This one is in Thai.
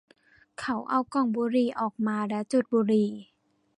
เขาเอากล่องบุหรี่ออกมาและจุดบุหรี่